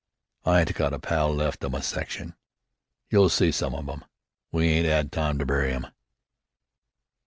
"I ain't got a pal left out o' my section. You'll see some of 'em. We ain't 'ad time to bury 'em."